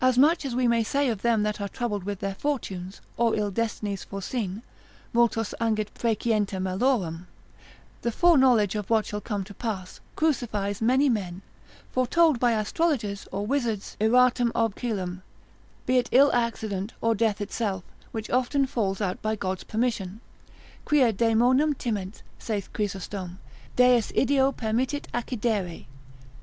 As much we may say of them that are troubled with their fortunes; or ill destinies foreseen: multos angit praecientia malorum: The foreknowledge of what shall come to pass, crucifies many men: foretold by astrologers, or wizards, iratum ob coelum, be it ill accident, or death itself: which often falls out by God's permission; quia daemonem timent (saith Chrysostom) Deus ideo permittit accidere.